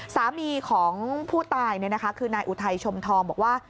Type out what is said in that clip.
สามีของผู้ตายคือนายอุทัยชมทองบอกว่า